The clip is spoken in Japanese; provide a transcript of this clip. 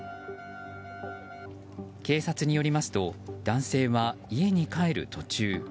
警察によりますと男性は家に帰る途中。